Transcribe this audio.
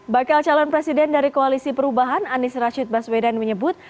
bakal calon presiden dari koalisi perubahan anies rashid baswedan menyebut